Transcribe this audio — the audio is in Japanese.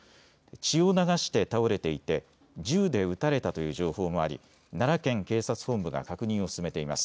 血を流して倒れていて銃で撃たれたという情報もあり奈良県警察本部が確認を進めています。